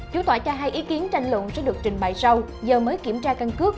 chủ tòa cho hai ý kiến tranh luận sẽ được trình bày sau giờ mới kiểm tra căn cước